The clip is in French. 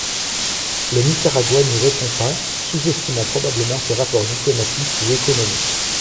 Le Nicaragua n'y répond pas, sous-estimant probablement ses rapports diplomatiques ou économiques.